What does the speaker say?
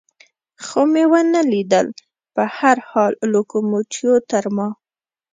خو مې و نه لیدل، په هر حال لوکوموتیو تر ما.